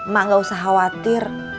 mak gak usah khawatir